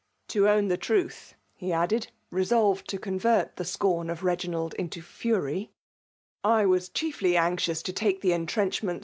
" To own the truth," he added,— 4:csolvcd to convert the scorn of Reginald into fury, — ^"I wa^ chiefly anxious to lake the entrenchments.